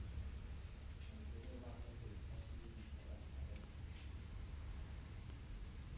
Umugore wambaye ishati yumukara ararya